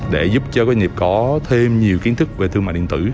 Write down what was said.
để giúp cho doanh nghiệp có thêm nhiều kiến thức về thương mại điện tử